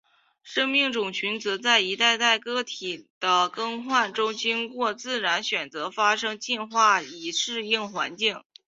生命种群则在一代代个体的更替中经过自然选择发生进化以适应环境。